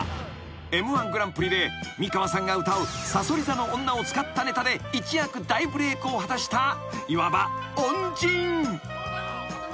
［Ｍ−１グランプリで美川さんが歌う『さそり座の女』を使ったネタで一躍大ブレークを果たしたいわば恩人］